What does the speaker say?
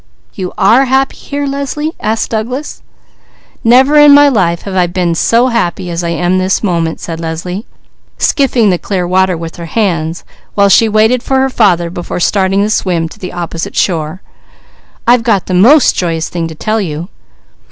"You are happy here, Leslie?" asked Douglas. "Never in my life have I been so happy as I am this moment," said Leslie, skifting the clear water with her hands while she waited for her father before starting the swim to the opposite shore. "I've got the most joyous thing to tell you."